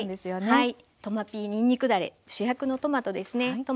はい。